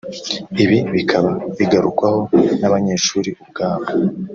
Ibi bikaba bigarukwaho n’abanyeshuri ubwabo